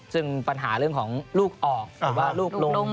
ซึ่งปัญหาเรื่องของลูกออกหรือว่าลูกลง